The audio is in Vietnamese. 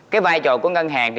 cái vai trò của ngân hàng